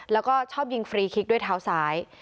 แล้วก็ชอบยิงฟรีคลิกด้วยเท้าซ้าย